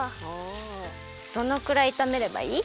どのくらいいためればいい？